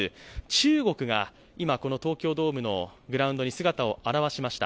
中国が東京ドームのグラウンドに姿を現しました。